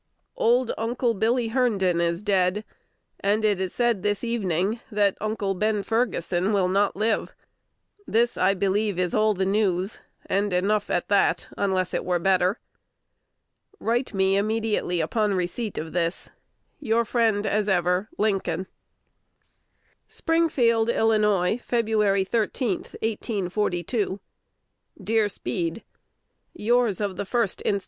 Old Uncle Billy Herndon is dead, and it is said this evening that Uncle Ben Ferguson will not live. This, I believe, is all the news, and enough at that, unless it were better. Write me immediately on the receipt of this. Your friend as ever, Lincoln. Springfield, Ill., Feb. 13, 1842. Dear Speed, Yours of the 1st inst.